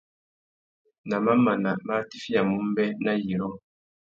Nà mamana má atiffiyamú mbê, nà yirô.